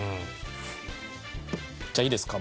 じゃあいいですか？